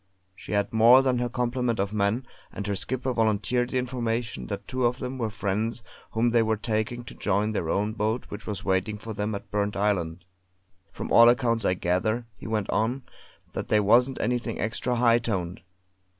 She had more than her complement of men, and her skipper volunteered the information that two of them were friends whom they were taking to join their own boat which was waiting for them at Burnt Island. From all accounts I gather," he went on, "that they wasn't anything extra high toned.